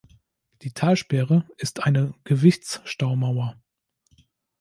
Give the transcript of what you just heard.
Die Talsperre ist eine Gewichtsstaumauer.